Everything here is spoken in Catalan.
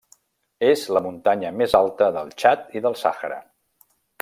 És la muntanya més alta del Txad i del Sàhara.